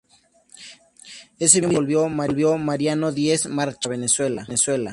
Ese mismo año volvió Mariano Diez a marcharse a Venezuela.